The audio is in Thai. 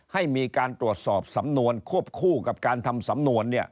ให้มีการตรวจสอบสำนวนควบคู่กับการทำสำนวน